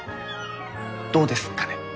どうですかね。